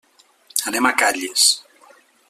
Anem a Calles.